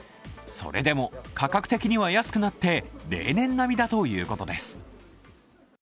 それでも、価格的には安くなって例年並みだということです。